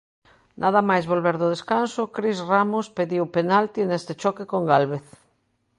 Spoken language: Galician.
Nada máis volver do descanso, Cris Ramos pediu penalti neste choque con Gálvez.